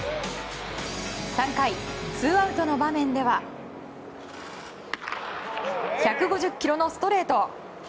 ３回ツーアウトの場面では１５０キロのストレート。